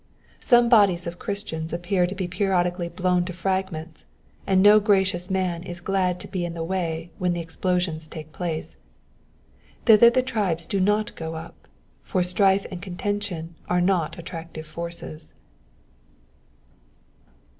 Some bodies of Christians appear to be periodically blown to fragments, and no gracious man is glad to be in the way when the explosions take place : thither the tribes do not go up, for strife and contention are not attractive forces.